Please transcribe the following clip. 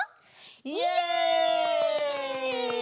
イエイ！